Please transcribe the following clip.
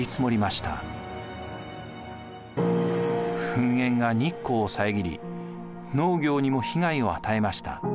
噴煙が日光を遮り農業にも被害を与えました。